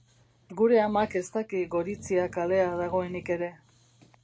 Gure amak ez daki Gorizia kalea dagoenik ere.